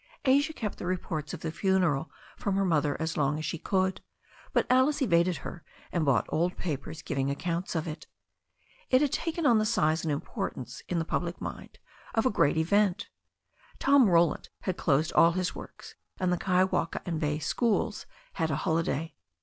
Asia kept the reports of the funeral from her mother as long as she could, but Alice evaded her and bought old papers giving accounts of it. It had taken on the size and importance in the public mind of a great event. Tom Ro land had closed all his works, and the Kaiwaka and bay schools had a holiday.